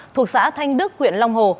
thuộc xã thanh đức huyện long hồ